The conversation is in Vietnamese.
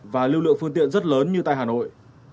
và lưu lượng phương tiện rất lớn như tại hà nội